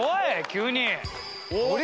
急に。